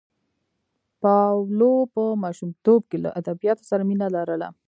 پاولو په ماشومتوب کې له ادبیاتو سره مینه لرله.